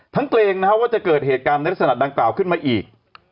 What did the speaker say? ทั้งตัวเองนะครับว่าจะเกิดเหตุการณ์ในลักษณะดังเปล่าขึ้นมาอีก